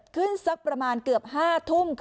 สักประมาณเกือบ๕ทุ่ม